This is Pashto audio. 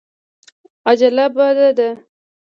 عجله بده ده.